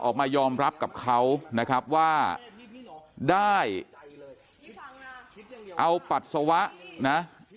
ออกมายอมรับกับเขานะครับว่าได้เอาปัสสาวะนะ